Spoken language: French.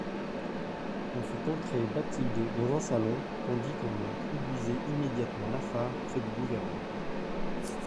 On fit entrer Bathilde dans un salon, tandis qu'on introduisait immédiatement Lafare près du gouverneur.